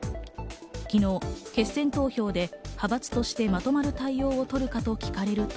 昨日、決選投票で派閥としてまとまる対応をとるかと聞かれると。